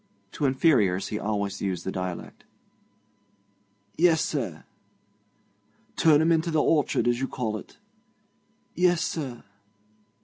To inferiors he always used the dialect. 'Yes, sir.' 'Turn 'em into th' orchard, as you call it.' 'Yes, sir.'